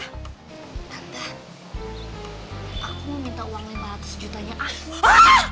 tante aku mau minta uang lima ratus juta nya aku